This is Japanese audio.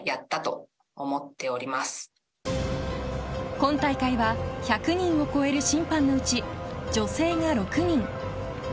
今大会は１００人を超える審判のうち女性が６人。